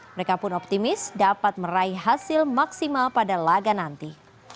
mereka pun optimis dapat meraih hasil maksimal pada laga nanti